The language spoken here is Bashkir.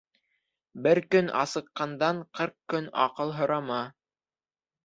Бер көн асыҡҡандан ҡырҡ көн аҡыл һорама.